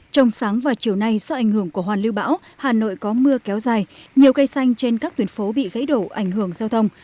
trong sáng và chiều nay do ảnh hưởng của hoàn lưu bão hà nội có mưa kéo dài nhiều cây xanh trên các tuyến phố bị gãy đổ ảnh hưởng giao thông